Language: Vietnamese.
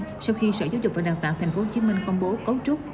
một mươi bốn tháng hai sau khi sở giáo dục và đào tạo tp hcm công bố cấu trúc